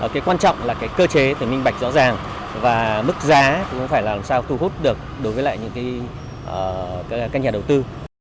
cái quan trọng là cơ chế tưởng minh bạch rõ ràng và mức giá cũng phải làm sao thu hút được đối với các nhà đầu tư